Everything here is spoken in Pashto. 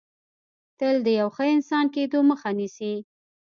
تل د یو ښه انسان کېدو مخه نیسي